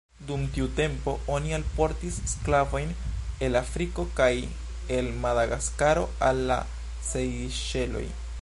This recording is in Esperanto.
Dum tiu tempo, oni alportis sklavojn el Afriko kaj el Madagaskaro al la Sejŝeloj.